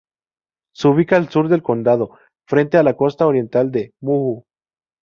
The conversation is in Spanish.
Se ubica al sur del condado, frente a la costa oriental de Muhu.